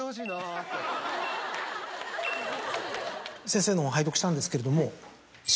先生の本拝読したんですけれども。